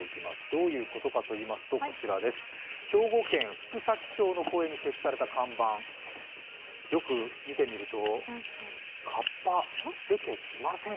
どういうことかといいますと、兵庫県福崎町の公園に設置された看板、よく見てみると河童出てきません。